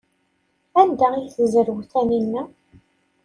Anda ay tezrew Taninna?